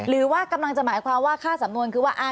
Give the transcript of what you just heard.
หรือว่ากำลังจะหมายความว่าค่าสำนวนคือว่า